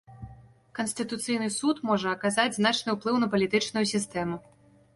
Канстытуцыйны суд можа аказаць значны ўплыў на палітычную сістэму.